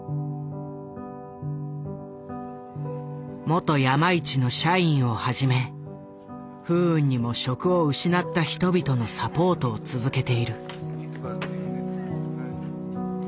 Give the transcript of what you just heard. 元山一の社員をはじめ不運にも職を失った人々のサポートを続けている。